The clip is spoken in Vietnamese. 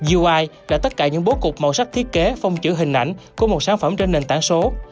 wi là tất cả những bố cục màu sắc thiết kế phong chữ hình ảnh của một sản phẩm trên nền tảng số